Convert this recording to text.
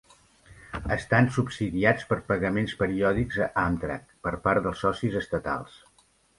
Estan subsidiats per pagaments periòdics a Amtrak per part dels socis estatals.